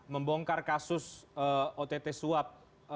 membongkar kasus ott swab